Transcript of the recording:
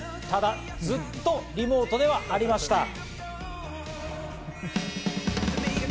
ただずっとリモートではありました。